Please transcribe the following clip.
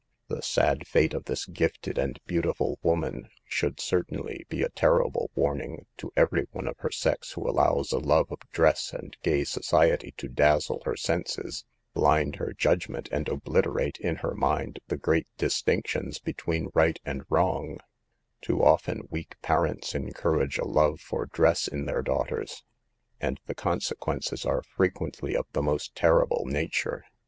The sad fate of this gifted and beautiful woman should certainly be a terrible warning to every one of her sex who allows a love of dress and gay society to dazzle her senses, blind her judgment and obliterate in her mind the great distinctions between right and wrono\ Too often weak parents encourage a love for dress in their daughters, and the conse 2 a H b SOME TEMPTATIONS OF CITY LIFE. 187 quences are^frequently of the most terrible na ture.